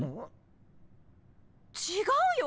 違うよ。